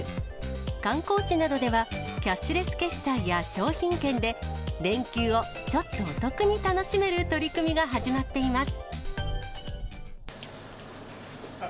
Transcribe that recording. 観光地などでは、キャッシュレス決済や商品券で、連休をちょっとお得に楽しめる取り組みが始まっています。